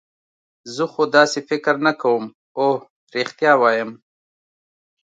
زه خو داسې فکر نه کوم، اوه رښتیا وایم.